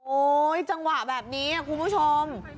จังหวะแบบนี้คุณผู้ชม